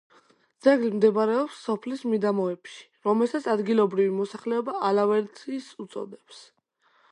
ძეგლი მდებარეობს სოფლის მიდამოებში, რომელსაც ადგილობრივი მოსახლეობა ალავერდის უწოდებს.